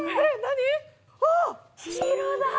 何？